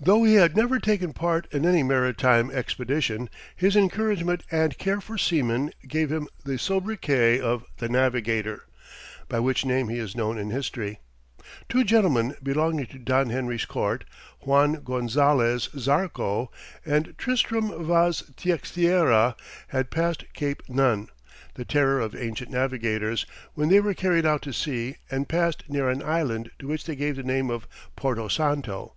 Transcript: Though he had never taken part in any maritime expedition, his encouragement and care for seamen gave him the soubriquet of "the Navigator," by which name he is known in history. Two gentlemen belonging to Don Henry's court, Juan Gonzales Zarco, and Tristram Vaz Teixeira had passed Cape Nun, the terror of ancient navigators, when they were carried out to sea and passed near an island to which they gave the name of Porto Santo.